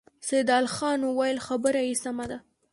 سيدال خان وويل: خبره يې سمه ده.